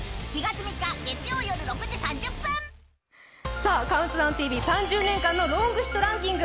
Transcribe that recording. さあ、「ＣＤＴＶ」３０年間のロングヒットランキング。